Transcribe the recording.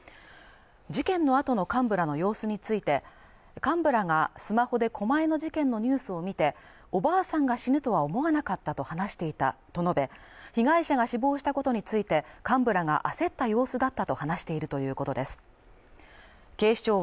事件のあとの幹部らの様子について幹部らがスマホで狛江市の事件のニュースを見ておばあさんが死ぬとは思わなかったと話していたと述べ被害者が死亡したことについて幹部らが焦った様子だったと話しているということです